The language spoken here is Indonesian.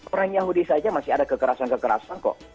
peran yahudi saja masih ada kekerasan kekerasan kok